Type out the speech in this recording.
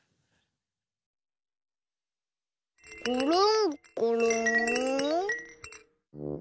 ごろんごろん。